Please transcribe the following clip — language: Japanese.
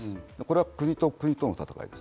これは国と国との戦い。